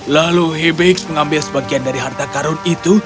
lalu hibis mengambil sebagian dari harta karut itu